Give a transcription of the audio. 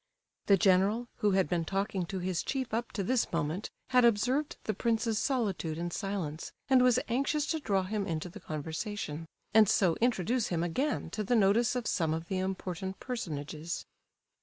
The general, who had been talking to his chief up to this moment, had observed the prince's solitude and silence, and was anxious to draw him into the conversation, and so introduce him again to the notice of some of the important personages.